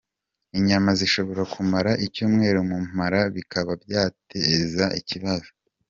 Inyama zishobora kumara icyumweru mu mara, bikaba byayateza ikibazo.